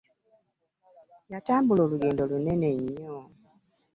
Yatambula olugendo lunene nnyo.